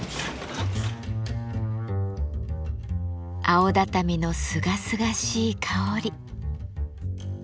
青畳のすがすがしい香り。